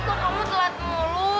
kok kamu telat mulu